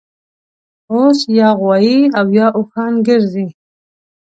اوس یا غوایي اویا اوښان ګرځي